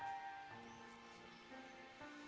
jangan tekuk kamera